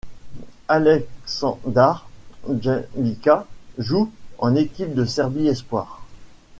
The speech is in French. Aleksandar Bjelica joue en équipe de Serbie espoirs.